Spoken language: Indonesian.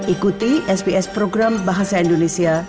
ikuti sbs program bahasa indonesia